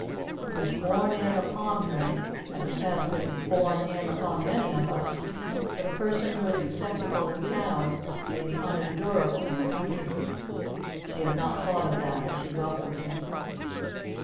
It was borne in upon her, as it has been borne in upon many of us, that a person who is acceptable in town may be unendurable in the country. She had not thought of that as she welcomed him.